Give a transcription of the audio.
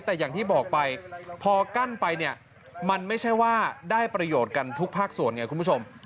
แต่อย่างที่บอกไปพอกั้นไปเนี่ยมันไม่ใช่ว่าได้ประโยชน์กันทุกภาคส่วนไงคุณผู้ชม